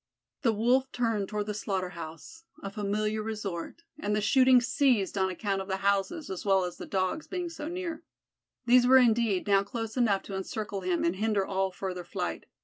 The Wolf turned toward the slaughter house, a familiar resort, and the shooting ceased on account of the houses, as well as the Dogs, being so near. These were indeed now close enough to encircle him and hinder all further flight.